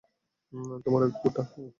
তোমার ওই কুকুরটাও!